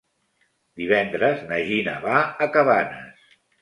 Divendres na Gina va a Cabanes.